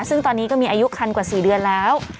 ซึ่งตอนนี้ก็มีอายุคันกว่า๔เดือนแล้ว